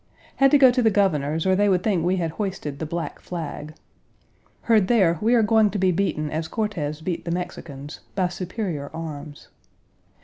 Had to go to the Governor's or they would think we had hoisted the black flag. Heard there we are going to be beaten as Cortez beat the Mexicans by superior arms.